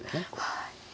はい。